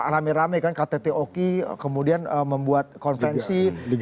rame rame kan kttoki kemudian membuat konferensi